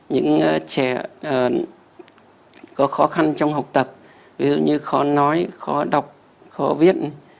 những trẻ có khó khăn trong học tập ví dụ như khó nói khó đọc khó viết